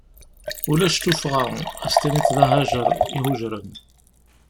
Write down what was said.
Ulac tuffɣa ad as-tiniḍ d ahajer ihujren.